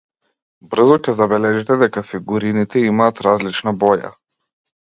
Брзо ќе забележите дека фигурините имаат различна боја.